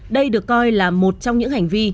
đây được coi là một trong những hành vi